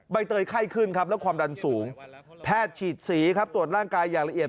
ใบเตยไข้ขึ้นครับแล้วความดันสูงแพทย์ฉีดสีครับตรวจร่างกายอย่างละเอียด